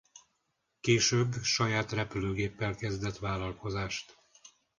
Később saját repülőgéppel kezdett vállalkozást.